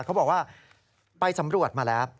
เขาบอกว่าไปสำรวจมาแล้ว